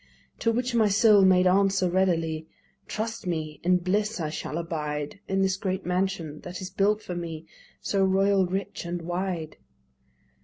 To which my soul made answer readily: "Trust me, in bliss I shall abide In this great mansion, that is built for me, So royal rich and wide."